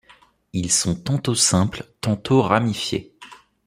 Ils sont tantôt simples, tantôt ramifiés.